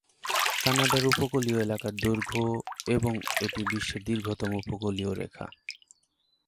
কানাডার উপকূলীয় এলাকার দৈর্ঘ্য এবং এটি বিশ্বের দীর্ঘতম উপকূল রেখা।